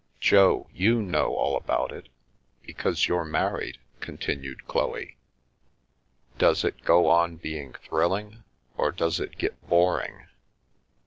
" Jo, you know all about it, because you're married," continued Chloe. " Does it go on being thrilling, or does it get boring